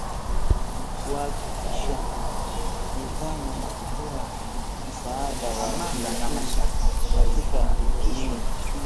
kuhakikisha nidhamu na kutoa msaada wa kiuchumi katika jamii